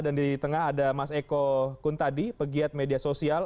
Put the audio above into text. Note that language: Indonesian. di tengah ada mas eko kuntadi pegiat media sosial